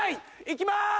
いきまーす！